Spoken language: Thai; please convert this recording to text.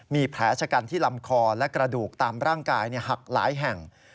มีแผลชะกันที่ลำคอและกระดูกตามร่างกายหักหลายแห่ง